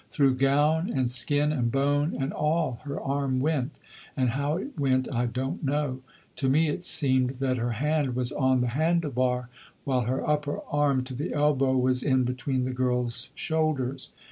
Through gown and skin and bone and all her arm went; and how it went I don't know. To me it seemed that her hand was on the handle bar, while her upper arm, to the elbow, was in between the girl's shoulders.